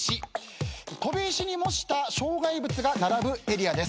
飛び石に模した障害物が並ぶエリアです。